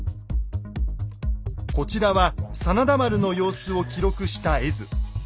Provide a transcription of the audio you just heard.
こちらは真田丸の様子を記録した絵図。